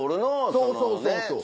そうそうそうそう。